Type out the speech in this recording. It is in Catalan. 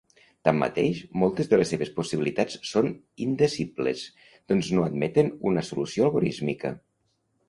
Tanmateix, moltes de les seves possibilitats són indecidibles, doncs no admeten una solució algorísmica.